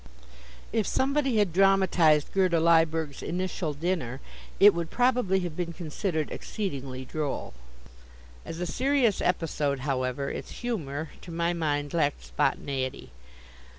If somebody had dramatized Gerda Lyberg's initial dinner, it would probably have been considered exceedingly droll. As a serious episode, however, its humor, to my mind, lacked spontaneity.